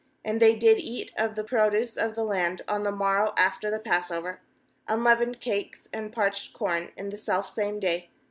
uAnd they did eat of the produce of the land on the morrow after the passover, unleavened cakes and parched corn, in the selfsame day.